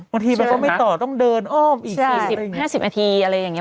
บางทีมันก็ไม่ต่อต้องเดินอ้อมอีก๔๐๕๐นาทีอะไรอย่างนี้